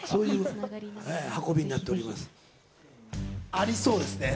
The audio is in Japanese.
ありそうですね。